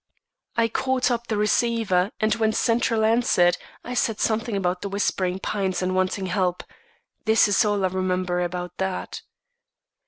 I caught up the receiver and when central answered, I said something about The Whispering Pines and wanting help. This is all I remember about that.